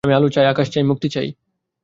আমি আলোক চাই, আকাশ চাই, মুক্তি চাই।